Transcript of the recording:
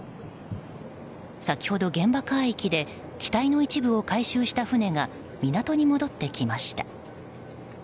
先ほど現場海域で機体の一部を回収した船が港に戻ってきました。